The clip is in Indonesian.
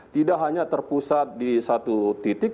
tidak hanya terpusat di satu titik